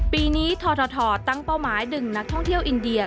ปีนี้ททตั้งเป้าหมายดึงนักท่องเที่ยวอินเดีย